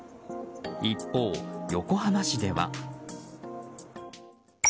一方、横浜市では。